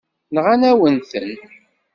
Nɣan-awen-ten.